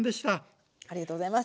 ありがとうございます。